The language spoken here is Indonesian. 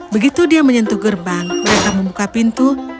begitu dia menyentuh gerbang mereka membuka pintu